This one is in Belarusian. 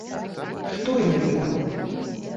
Што ёй да яго?